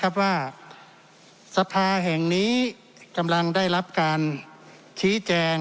ท่านสมาชิกรัฐศพาแห่งนี้กำลังได้ได้รับการชี้แจง